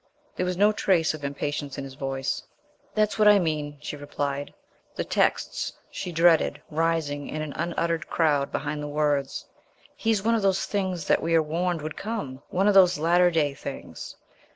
There was no trace of impatience in his voice. "That's what I mean," she replied, the texts he dreaded rising in an unuttered crowd behind the words. "He's one of those things that we are warned would come one of those Latter Day things."